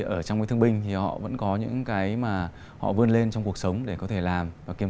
ở trong cái thương binh thì họ vẫn có những cái mà họ vươn lên trong cuộc sống để có thể làm và kiếm